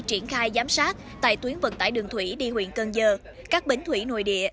triển khai giám sát tại tuyến vận tải đường thủy đi huyện cân dơ các bến thủy nội địa